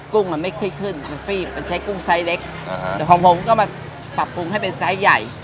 กุ้งมันไม่ขึ้นมันใช้กุ้งไซส์เล็กอ่าฮะแต่ของผมก็มาปรับปรุงให้เป็นไซส์ใหญ่